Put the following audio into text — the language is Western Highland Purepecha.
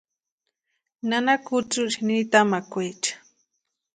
Nana kutsïiri nitamakwaecha.